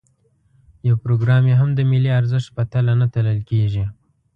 یو پروګرام یې هم د ملي ارزښت په تله نه تلل کېږي.